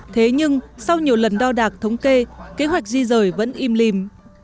thế nhưng sau nhiều lần đo đạc thống kê kế hoạch di rời vẫn im lìm